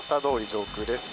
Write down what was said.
上空です。